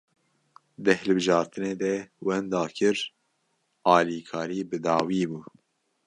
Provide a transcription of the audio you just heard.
Di hilbijartinê de wenda kir, alîkarî bi dawî bû